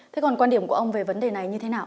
thế còn quan điểm của ông về vấn đề này như thế nào